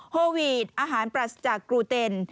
โฮวีดอาหารปรัสจากกรูเต็น